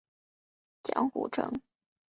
江户城。